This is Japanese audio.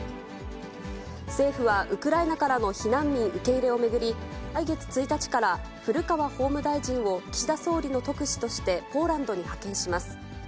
政府はウクライナからの避難民受け入れを巡り、来月１日から、古川法務大臣を岸田総理の特使としてポーランドに派遣します。